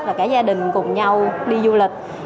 và cả gia đình cùng nhau đi du lịch